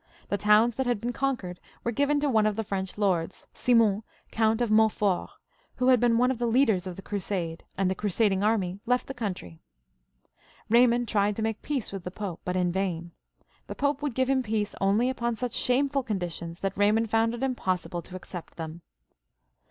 The towns that had been conquered were given to one of the French lords, Simon, Count of Montfort, who had been one of the leaders of the crusade, and the crusading army left the xviL] PHILIP 11. {AUGUSTE), 105 country, Eaymond tried to make peace with the Pope, but in vain. The Pop^ would give him peace only upon such shameful conditions that Raymond found it impossible to accept them.